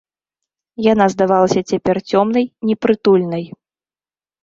Яна здавалася цяпер цёмнай, непрытульнай.